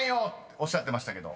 おっしゃってましたけど］